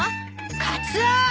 カツオ！